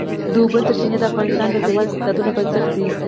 د اوبو سرچینې د افغانستان د ځایي اقتصادونو بنسټ دی.